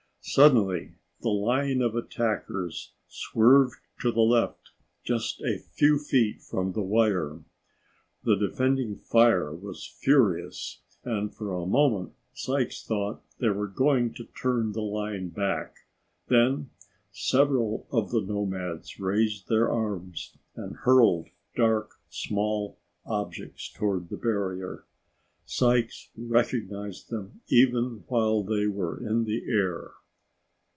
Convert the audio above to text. Suddenly the line of attackers swerved to the left just a few feet from the wire. The defending fire was furious, and for a moment Sykes thought they were going to turn the line back. Then several of the nomads raised their arms and hurled dark, small objects toward the barrier. Sykes recognized them even while they were in the air.